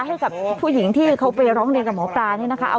ให้กับผู้หญิงที่เขาไปร้องเรียนกับหมอปลานี่นะคะ